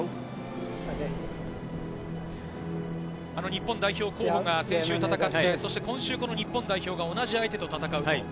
日本代表候補が先週戦って、そして今週、日本代表が同じ相手と戦う。